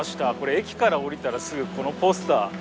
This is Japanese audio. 駅から降りたらすぐこのポスター。